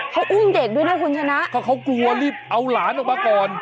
เขาอุ้มเด็กด้วยนะคุณชนะก็เขากลัวรีบเอาหลานออกมาก่อน